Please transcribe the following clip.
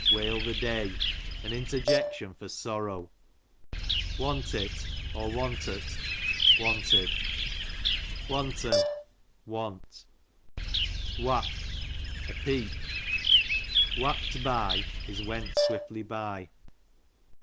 xeail the day! an interjection for sorrow. Wan tit, Wantut, Want'n, loant. Wap, a peep ; wap't by, is . went swiftly by.